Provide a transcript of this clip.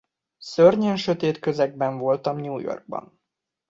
Szörnyen sötét közegben voltam New Yorkban.